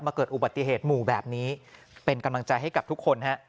เกิดอุบัติเหตุหมู่แบบนี้เป็นกำลังใจให้กับทุกคนฮะ